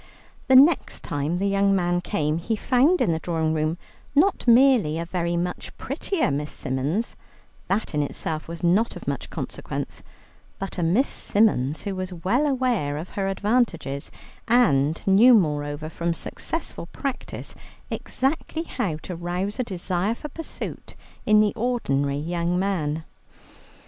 The next time the young man came, he found in the drawing room not merely a very much prettier Miss Symons, that in itself was not of much consequence, but a Miss Symons who was well aware of her advantages, and knew moreover from successful practice exactly how to rouse a desire for pursuit in the ordinary young man.